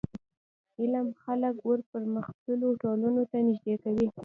علم خلک و پرمختللو ټولنو ته نژدي کوي.